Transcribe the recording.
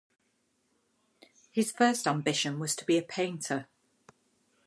His first ambition was to be a painter.